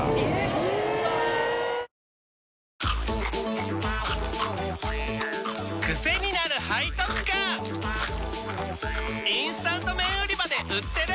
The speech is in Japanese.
チキンかじり虫インスタント麺売り場で売ってる！